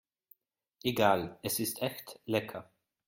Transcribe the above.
Egal, es ist echt lecker.